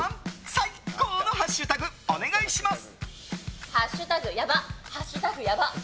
最高のハッシュタグお願いします。